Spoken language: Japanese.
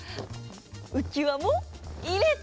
うきわもいれた！